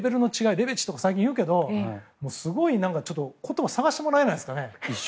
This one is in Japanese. レベチとかって最近言うけど何か、すごいって言葉を探してもらえないですかね？